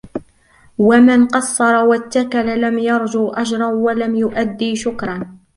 وَمَنْ قَصَّرَ وَاتَّكَلَ لَمْ يَرْجُ أَجْرًا وَلَمْ يُؤَدِّ شُكْرًا